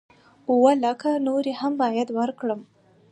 اووه لکه نورې هم بايد ورکړم.